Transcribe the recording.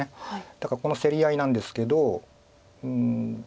だからこの競り合いなんですけど。